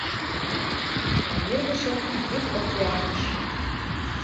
Памир гычын Йӱд океаныш